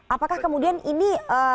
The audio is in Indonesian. apakah kemudian ini